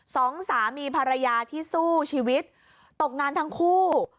สองสามีภรรยาที่สู้ชีวิตตกงานทั้งคู่